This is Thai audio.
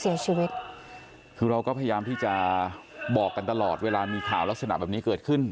เสียชีวิตคือเราก็พยายามที่จะบอกกันตลอดเวลามีข่าวลักษณะแบบนี้เกิดขึ้น